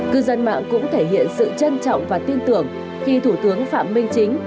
cư dân mạng cũng thể hiện sự trân trọng và tin tưởng khi thủ tướng phạm minh chính